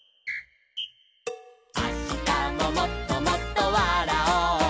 「あしたももっともっとわらおう」